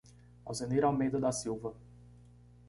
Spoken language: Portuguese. Alzenir Almeida da Silva